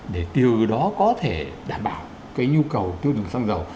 để từ đó có thể đảm bảo cái nhu cầu tiêu dùng xăng dầu